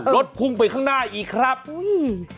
รถพุ่งไปข้างหน้าอีกครับอุ้ย